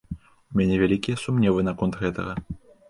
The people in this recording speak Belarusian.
У мяне вялікія сумневы наконт гэтага.